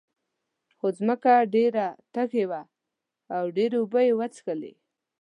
خو ځمکه ډېره تږې وه او ډېرې اوبه یې وڅکلې.